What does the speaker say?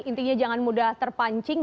intinya jangan mudah terpancing